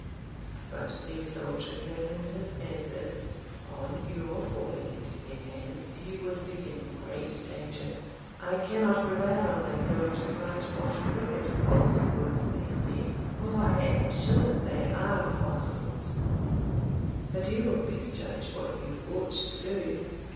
But these soldiers have hinted as if, on your falling into their hands, you would be in great danger; I cannot prevail on myself to write what wicked falsehoods they said, for I am sure they are falsehoods; but you will best judge what you ought to do.